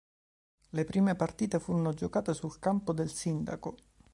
Le prime partite furono giocate sul campo del sindaco.